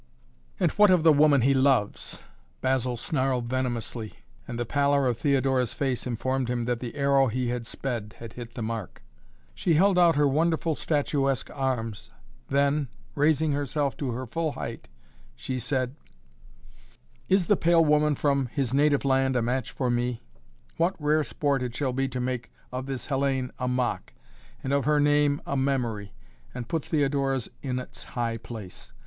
"And what of the woman he loves?" Basil snarled venomously, and the pallor of Theodora's face informed him that the arrow he had sped had hit the mark. She held out her wonderful statuesque arms, then, raising herself to her full height, she said: "Is the pale woman from his native land a match for me? What rare sport it shall be to make of this Hellayne a mock, and of her name a memory, and put Theodora's in its high place.